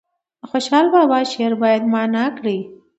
د خوشحال بابا شعر باید معنا کړي.